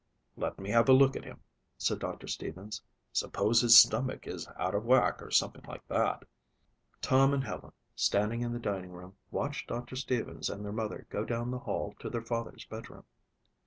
"Let me have a look at him," said Doctor Stevens. "Suppose his stomach is out of whack or something like that." Tom and Helen, standing in the dining room, watched Doctor Stevens and their mother go down the hall to their father's bedroom.